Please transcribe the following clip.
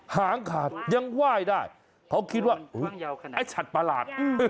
หางขาดยังไหว้ได้เขาคิดว่าไอ้ฉัดประหลาด